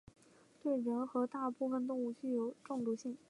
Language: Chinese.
对人和大部分动物具中毒性。